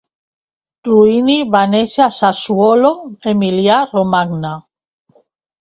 Ruini va néixer a Sassuolo, Emilia-Romagna.